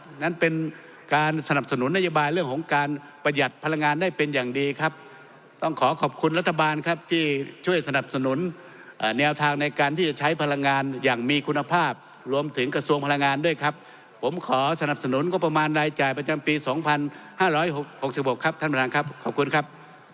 นั้นเป็นการสนับสนุนนโยบายเรื่องของการประหยัดพลังงานได้เป็นอย่างดีครับต้องขอขอบคุณรัฐบาลครับที่ช่วยสนับสนุนแนวทางในการที่จะใช้พลังงานอย่างมีคุณภาพรวมถึงกระทรวงพลังงานด้วยครับผมขอสนับสนุนงบประมาณรายจ่ายประจำปี๒๕๖๖ครับท่านประธานครับขอบคุณครับ